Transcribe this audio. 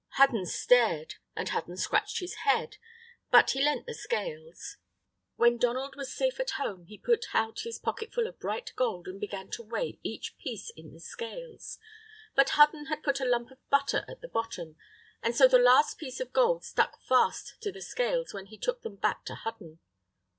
Hudden stared and Hudden scratched his head, but he lent the scales. When Donald was safe at home, he pulled out his pocketful of bright gold, and began to weigh each piece in the scales. But Hudden had put a lump of butter at the bottom, and so the last piece of gold stuck fast to the scales when he took them back to Hudden.